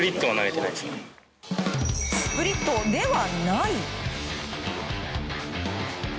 スプリットではない？